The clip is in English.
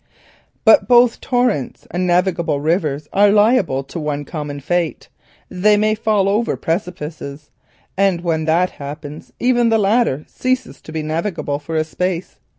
But both torrents and navigable rivers are liable to a common fate, they may fall over precipices, and when this comes to pass even the latter cease to be navigable for a space.